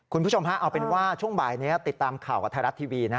คุณผู้ชมฮะเอาเป็นว่าช่วงบ่ายนี้ติดตามข่าวกับไทยรัฐทีวีนะ